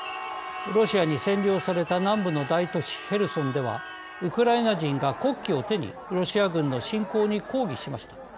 ロシアに占領された南部の大都市へルソンではウクライナ人が国旗を手にロシア軍の侵攻に抗議しました。